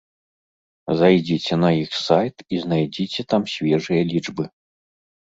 Зайдзіце на іх сайт і знайдзіце там свежыя лічбы.